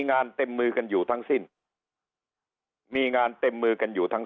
งานเต็มมือกันอยู่ทั้งสิ้นมีงานเต็มมือกันอยู่ทั้ง